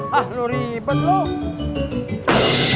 hah lu ribet lu